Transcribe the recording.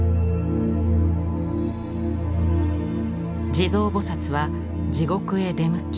地蔵菩は地獄へ出向き